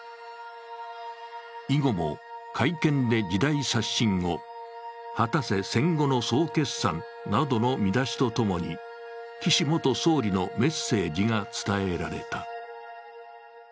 以後も、改憲で時代刷新を、果たせ戦後の総決算などの見出しとともに岸元総理のメッセージが伝えられた。